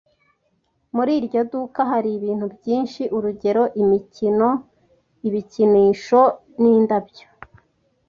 Muri iryo duka hari ibintu byinshi, urugero, imikino, ibikinisho, nindabyo.